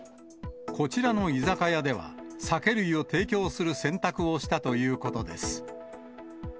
こちらの居酒屋では、酒類を提供する選択をしたということです。